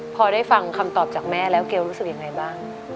พอได้ฟังคำตอบจากแม่แล้วเกลรู้สึกยังไงบ้าง